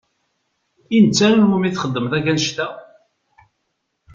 I netta i wumi txedmeḍ akk annect-a?